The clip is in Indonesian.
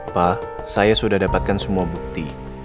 pak saya sudah dapatkan semua bukti